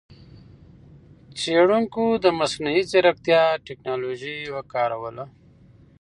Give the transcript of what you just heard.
څېړونکو د مصنوعي ځېرکتیا ټکنالوجۍ وکاروله.